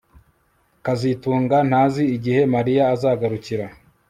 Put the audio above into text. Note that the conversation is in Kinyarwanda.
kazitunga ntazi igihe Mariya azagarukira